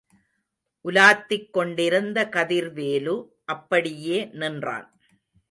உலாத்திக் கொண்டிருந்த கதிர்வேலு, அப்படியே நின்றான்.